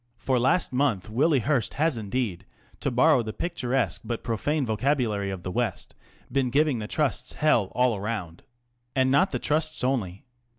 For last month Willie Hearst has indeed ŌĆö to borrow the picturesque but profane vocabulary of the WestŌĆö been giving the Trusts hell all round. And not the Trusts only.